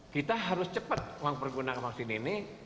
kita harus cepat uang pergunaan vaksin ini